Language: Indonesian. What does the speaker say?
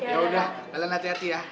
yaudah kalian hati hati ya